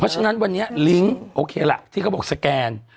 ฉะนั้นวันนี้ลิงก์โอเคล่ะที่เขาบอกสแกน